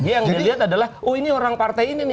yang dia lihat adalah oh ini orang partai ini nih